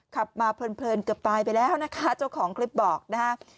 ขับมาเพลินเกือบตายไปแล้วนะคะเจ้าของคลิปบอกนะฮะ